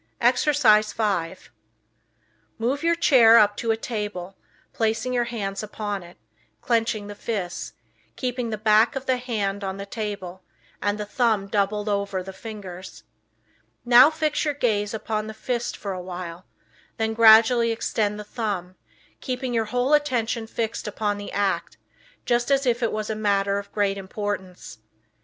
Exercise 5 Move your chair up to a table, placing your hands upon it, clenching the fists, keeping the back of the hand on the table, the thumb doubled over the fingers. Now fix your gaze upon the fist for a while, then gradually extend the thumb, keeping your whole attention fixed upon the act, just as if it was a matter of great importance.